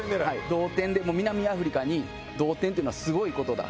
「同点でも南アフリカに同点っていうのはすごいことだ」。